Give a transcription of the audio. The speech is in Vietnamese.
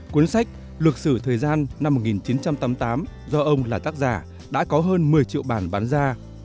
cuốn sách luật sử thời gian năm một nghìn chín trăm tám mươi tám do ông là tác giả đã có hơn một mươi triệu bản bán ra